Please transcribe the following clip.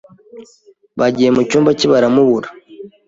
Bagiye mu cyumba cye baramubura